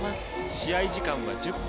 試合時間は１０分。